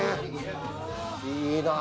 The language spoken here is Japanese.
いいなぁ。